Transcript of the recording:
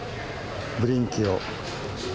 ブリンキオ。